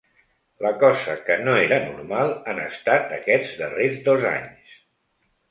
La cosa que no era normal han estat aquests darrers dos anys.